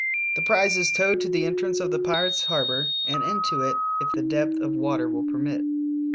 The prize is towed to the entrance of the pirates' har bor and into it if the depth of water will permit.